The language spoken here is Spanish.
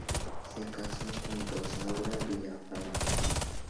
Se casó con Rosaura Villafañe.